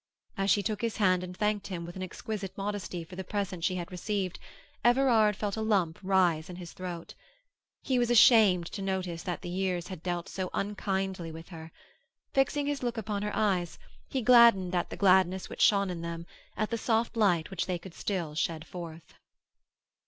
As she took his hand and thanked him with an exquisite modesty for the present she had received, Everard felt a lump rise in his throat. He was ashamed to notice that the years had dealt so unkindly with her; fixing his look upon her eyes, he gladdened at the gladness which shone in them, at the soft light which they could still shed forth.